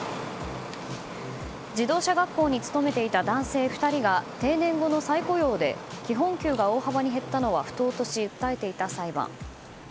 自動車学校に勤めていた男性２人が定年後の再雇用で基本給が大幅に減ったのは不当とし、訴えていた裁判。